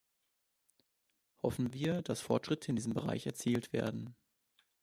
Hoffen wir, dass Fortschritte in diesem Bereich erzielt werden.